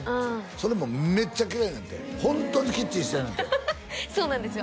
それもめっちゃきれいねんてホントにきっちりしてるねんてそうなんですよ